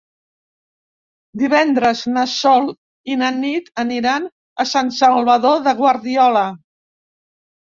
Divendres na Sol i na Nit aniran a Sant Salvador de Guardiola.